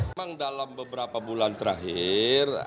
memang dalam beberapa bulan terakhir